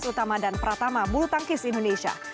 utama dan pratama bulu tangkis indonesia